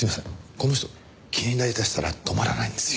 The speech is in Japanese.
この人気になりだしたら止まらないんですよ。